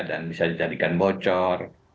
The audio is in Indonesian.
dan bisa dijadikan bocor